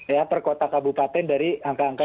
ya per kota kabupaten dari angka angka